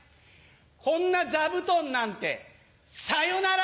こんな座布団なんてさよなら！